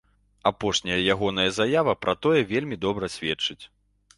Апошняя ягоная заява пра тое вельмі добра сведчыць.